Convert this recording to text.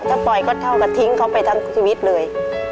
ถ้าปล่อยก็เท่ากับทิ้งเขาไปทั้งชีวิตเลย